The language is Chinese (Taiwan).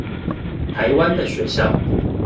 台灣的學校